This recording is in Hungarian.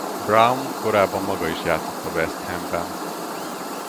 Brown korábban maga is játszott a West Hamben.